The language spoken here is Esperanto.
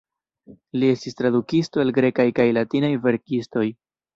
Li estis tradukisto el grekaj kaj latinaj verkistoj.